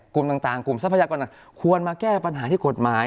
กลุ่มต่างกลุ่มทรัพยากรต่างควรมาแก้ปัญหาที่กฎหมาย